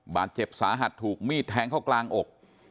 บาดเจ็บสาหัสถูกมีดแทงเข้ากลางอก